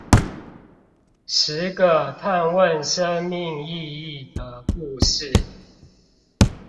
十個探問生命意義的故事